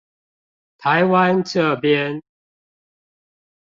台灣這邊